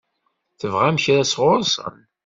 Tebɣam kra sɣur-sen?